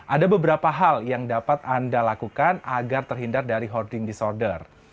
ada beberapa hal yang dapat anda lakukan agar terhindar dari hoarding disorder